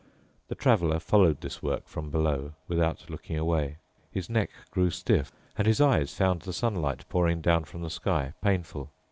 The Traveler followed this work from below without looking away. His neck grew stiff, and his eyes found the sunlight pouring down from the sky painful.